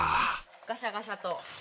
ガシャガシャと。